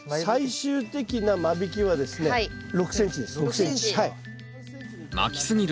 最終的な間引きはですね６ｃｍです。